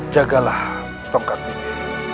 jagalah tongkat ini